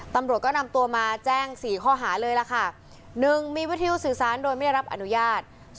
ตำรวจก็นำตัวมาแจ้ง๔ข้อหาเลยล่ะค่ะ๑มีวิทยุสื่อสารโดยไม่ได้รับอนุญาต